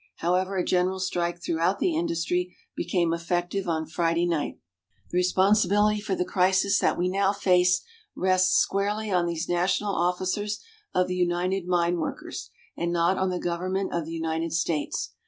However, a general strike throughout the industry became effective on Friday night. The responsibility for the crisis that we now face rests squarely on these national officers of the United Mine Workers, and not on the government of the United States.